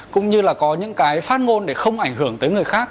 cũng như là có những cái phát ngôn để không ảnh hưởng tới người khác